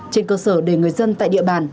trên cơ sở để người dân tại địa bàn